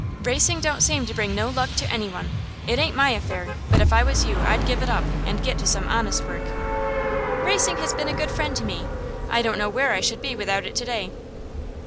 "Racing don't seem to bring no luck to any one. It ain't my affair, but if I was you I'd give it up and get to some honest work." "Racing has been a good friend to me. I don't know where I should be without it to day."